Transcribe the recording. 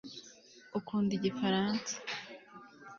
ukunda igifaransa